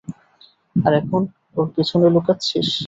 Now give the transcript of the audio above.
আর এখন, ওর পেছনে লুকাচ্ছিস?